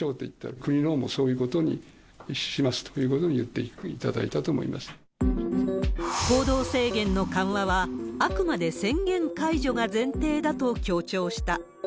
国のほうもそういうことにしますということにいっていただいたと行動制限の緩和は、あくまで宣言解除が前提だと強調した。